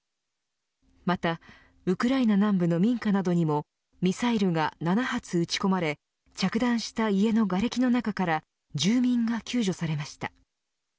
また、ウクライナ南部の民家などにもミサイルが７発撃ち込まれ着弾した家のがれきの中から住民が救助されました。